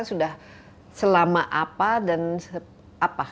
sudah selama apa dan apa